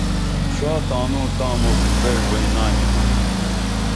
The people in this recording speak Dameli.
ݜا تانوں تاں مُکھ پریݜبئیں نامِمہ